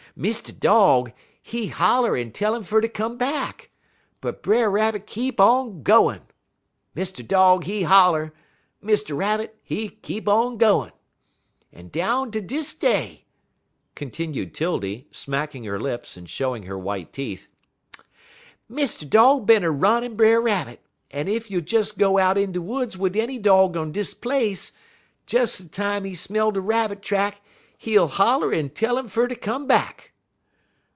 "Mr. Dog, he holler, en tell 'im fer ter come back, but Brer Rabbit keep on gwine; Mr. Dog, he holler, Mr. Rabbit, he keep on gwine. En down ter dis day," continued 'Tildy, smacking her lips, and showing her white teeth, "Mr. Dog bin a runnin' Brer Rabbit, en ef you'll des go out in de woods wid any Dog on dis place, des time he smell de Rabbit track he'll holler en tell 'im fer ter come back."